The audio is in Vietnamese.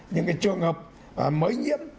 những cái trường hợp mới nhiễm